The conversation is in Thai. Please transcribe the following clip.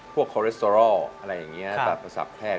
พวกคอเลสโตรอลอะไรอย่างนี้ตัดประสับแพทย์